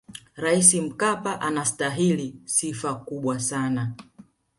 raisi mkapa anasitahili sifa kubwa sana